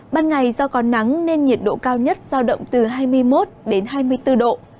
ban ngày do có nắng nên nhiệt độ cao nhất giao động từ hai mươi một đến hai mươi bốn độ